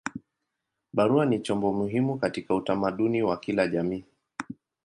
Barua ni chombo muhimu katika utamaduni wa kila jamii.